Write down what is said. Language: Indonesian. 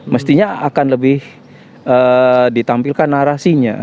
mestinya akan lebih ditampilkan narasinya